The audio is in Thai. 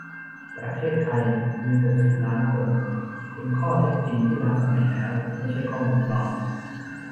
ประเทศไทยมีหกสิบล้านคน เป็นข้อเท็จจริงที่ล้าสมัยแล้ว ไม่ใช่ข้อมูลปลอม